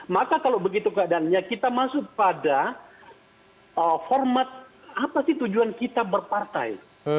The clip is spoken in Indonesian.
maka kalau begitu keadaannya kita masuk pada format apa sih tujuan kita berpartai